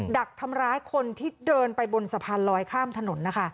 ดักทำร้ายคนที่เดินไปบนสะพานลอยข้ามถนนนะคะ